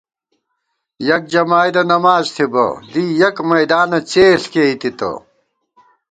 یَک جمائیدہ نماڅ تھِبہ ، دی یَک میدانہ څېݪ کېئی تِتہ